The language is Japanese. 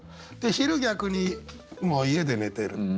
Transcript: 昼逆にもう家で寝てる。